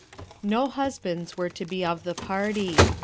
No husbands were to be of the party.